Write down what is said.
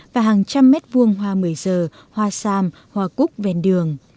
và hàng trăm mét vuông hoa mười giờ hoa xam hoa cúc vèn đường